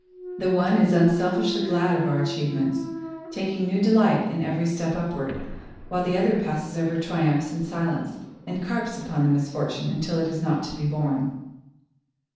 The one is unselfishly glad of our achievements, taking new delight in every step upward, while the other passes over triumphs in silence and carps upon the misfortune until it is not to be borne.